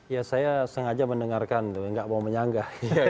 ya saya sengaja mendengarkan nggak mau menyangga